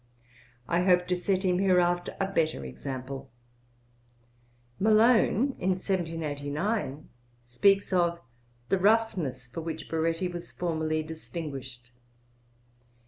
I hope to set him hereafter a better example.' Piozzi Letters, i. 277. Malone, in 1789, speaks of 'the roughness for which Baretti was formerly distinguished.'